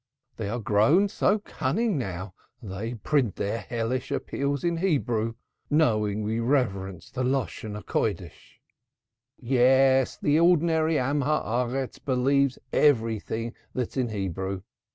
They are grown so cunning now they print their hellish appeals in Hebrew, knowing we reverence the Holy Tongue." "Yes, the ordinary Man of the Earth believes everything that's in Hebrew.